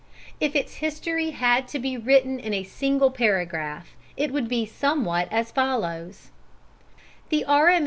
If its history had to be written in a single paragraph it would be somewhat as follows: "The R.